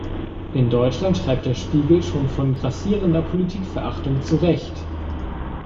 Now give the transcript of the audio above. In Deutschland schreibt "Der Spiegel" schon von grassierender Politikverachtung zu Recht.